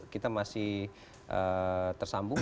kita masih tersambung